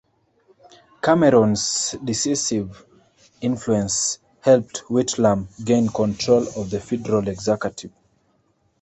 Cameron's decisive influence helped Whitlam gain control of the Federal Executive.